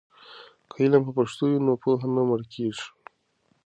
که علم په پښتو وي نو پوهه نه مړکېږي.